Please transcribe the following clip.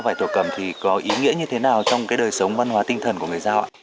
vải thổ cẩm có ý nghĩa như thế nào trong đời sống văn hóa tinh thần của người dao ạ